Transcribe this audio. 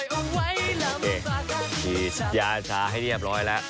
โอเคดียาชาให้เรียบร้อยแล้ว